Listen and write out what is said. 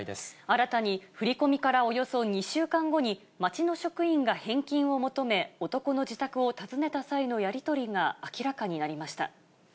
新たに、振り込みからおよそ２週間後に、町の職員が返金を求め、男の自宅を訪ねた際のやり取